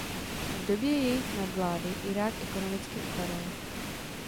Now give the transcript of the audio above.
V době jejich nadvlády Irák ekonomicky upadal.